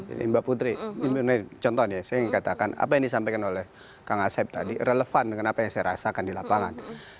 ini mbak putri contohnya saya ingin katakan apa yang disampaikan oleh kang asep tadi relevan dengan apa yang saya rasakan di lapangan